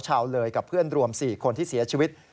ชาวเลยกับเพื่อนรวม๔คนที่เสียชีวิต